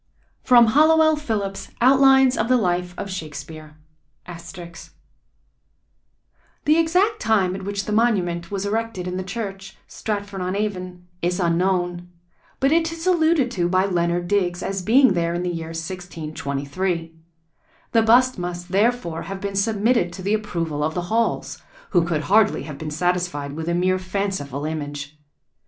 [Sidenote: Halliwell Phillipps's Outlines of the Life of Shakespeare. *] "The exact time at which the monument was erected in the church" (Stratford on Avon) "is unknown, but it is alluded to by Leonard Digges as being there in the year 1623. The bust must, therefore, have been submitted to the approval of the Halls, who could hardly have been satisfied with a mere fanciful image.